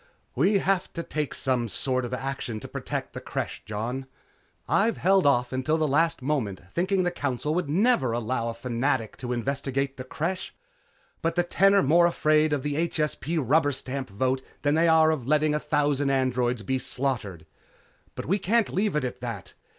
"We have to take some sort of action to protect the Creche, Jon. I've held off until the last moment, thinking the Council would never allow a Fanatic to investigate the Creche, but the Ten are more afraid of the HSP rubber stamp vote than they are of letting a thousand androids be slaughtered. But we can't leave it at that.